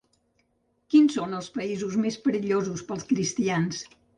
Quins són els països més perillosos pels cristians?